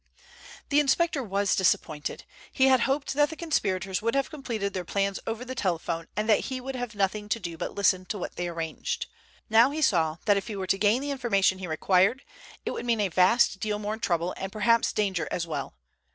The inspector was disappointed. He had hoped that the conspirators would have completed their plans over the telephone, and that he would have had nothing to do but listen to what they arranged. Now he saw that if he were to gain the information he required, it would mean a vast deal more trouble, and perhaps danger as well.